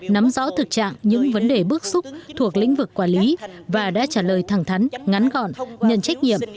nắm rõ thực trạng những vấn đề bước xúc thuộc lĩnh vực quản lý và đã trả lời thẳng thắn ngắn gọn nhân trách nhiệm